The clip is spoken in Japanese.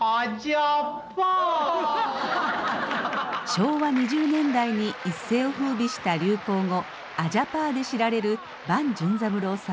昭和２０年代に一世をふうびした流行語「アジャパー」で知られる伴淳三郎さん。